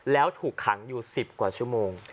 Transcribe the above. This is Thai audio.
แล้วถูกขังอยู่๑๐กว่าชั่วโมง